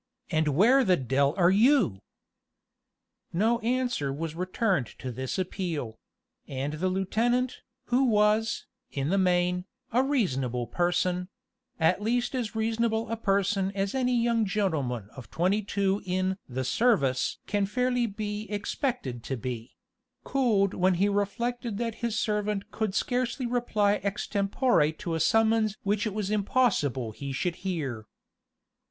and where the d l are you?" No answer was returned to this appeal; and the lieutenant, who was, in the main, a reasonable person at least as reasonable a person as any young gentleman of twenty two in "the service" can fairly be expected to be cooled when he reflected that his servant could scarcely reply extempore to a summons which it was impossible he should hear.